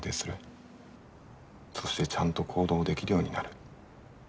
そしてちゃんと行動できるようになる。